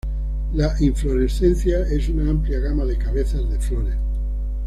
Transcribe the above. La inflorescencia es una amplia gama de cabezas de flores.